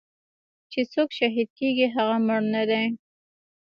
چې سوک شهيد کيګي هغه مړ نه دې.